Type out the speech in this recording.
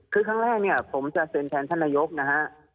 คือครั้งแรกเนี่ยผมจะเซ็นแทนท่านนายกนะฮะ